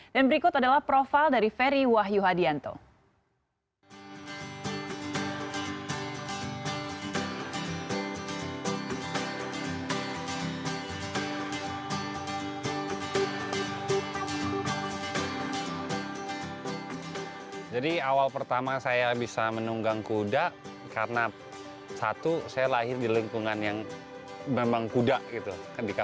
dan berikut adalah profil dari ferry wahyu hadianto